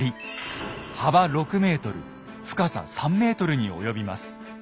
幅６ｍ深さ３ｍに及びます。